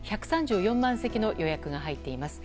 １３４万席の予約が入っています。